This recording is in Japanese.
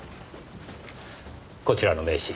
こちらの名刺